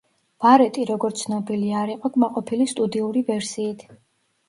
ბარეტი, როგორც ცნობილია, არ იყო კმაყოფილი სტუდიური ვერსიით.